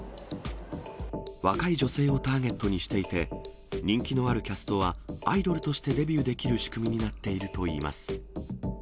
若い女性をターゲットにしていて、人気のあるキャストはアイドルとしてデビューできる仕組みになっているといいます。